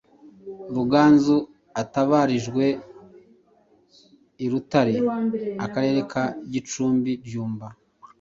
Ruganzu atabarijweI Rutare Akarere ka Gicumbi Byumba